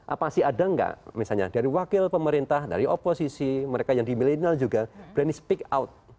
apa sih ada nggak misalnya dari wakil pemerintah dari oposisi mereka yang di milenial juga berani speak out